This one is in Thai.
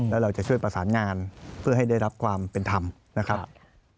แล้วเราจะช่วยประสานงานเพื่อให้ได้รับความเป็นธรรมนะครับ